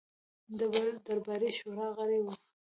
د درباري شورا غړی وو.